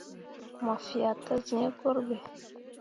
Mo fea te zẽẽ gurɓe.